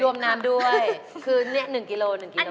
รวมน้ำด้วยคือ๑กิโล๑กิโล